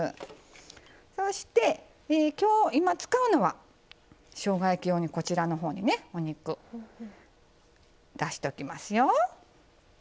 そして今日今使うのはしょうが焼き用にこちらのほうにねお肉出しておきますよ。